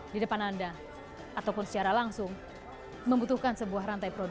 kami adalah anak anak pertama di blok